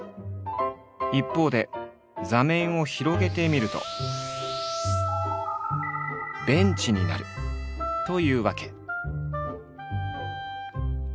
一方で座面を広げてみるとベンチになるというわけ。